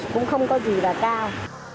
cũng không có gì là cao